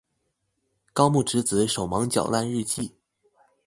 高木直子手忙腳亂日記